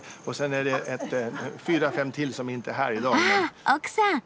あ奥さん。